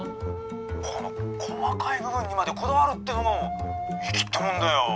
「この細かい部分にまでこだわるってのも粋ってもんだよ」。